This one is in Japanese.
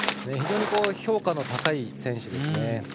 非常に評価の高い選手ですね。